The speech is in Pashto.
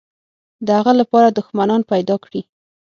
د هغه لپاره دښمنان پیدا کړي.